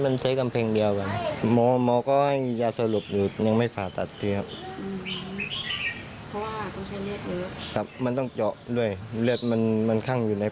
นางเกษรนายุ๓๙ปี